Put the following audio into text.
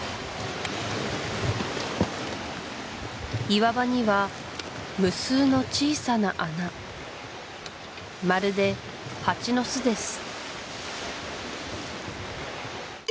岩場には無数の小さな穴まるでハチの巣です